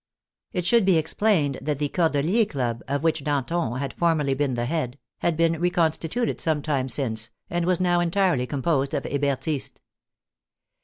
It should be explained that the Cordeliers' Club, of which Danton had formerly been the head, had been reconstituted some time since, and was now entirely composed of Hebertists.